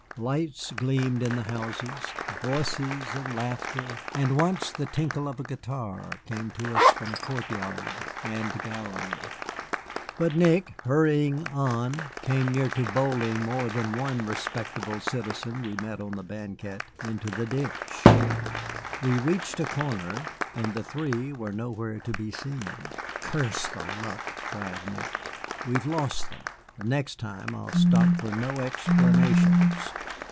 Lights gleamed in the houses; voices and laughter, and once the tinkle of a guitar came to us from court yard and gallery. But Nick, hurrying on, came near to bowling more than one respectable citizen we met on the banquette, into the ditch. We reached a corner, and the three were nowhere to be seen. "Curse the luck!" cried Nick, "we have lost them. The next time I'll stop for no explanations."